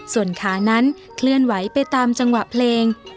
ส่วนขานั้นเคลื่อนไหวไปตามจังหวะเพลง